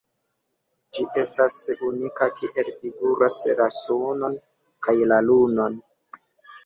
Ĝi estas unika kiel figuras la Sunon kaj la Lunon.